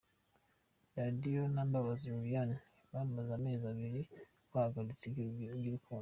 Radio na Mbabazi Lilian bamaze amezi abiri bahagaritse iby’urukundo.